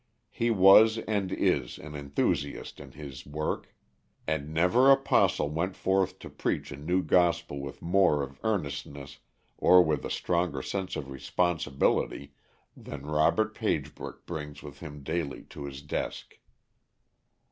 He was and is an enthusiast in his work, and never apostle went forth to preach a new gospel with more of earnestness or with a stronger sense of responsibility than Robert Pagebrook brings with him daily to his desk.